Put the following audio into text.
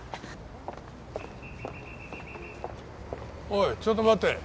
おいちょっと待て。